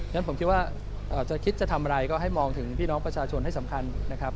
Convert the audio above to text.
งั้นผมคิดว่าจะคิดจะทำอะไรก็ให้มองถึงพี่น้องประชาชนให้สำคัญนะครับ